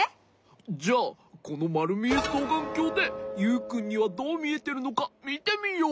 じゃこのまるみえそうがんきょうでユウくんにはどうみえてるのかみてみよう。